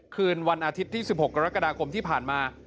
คืนวันอาทิตย์ที่๑๖กรกฎาคมที่ผ่านมา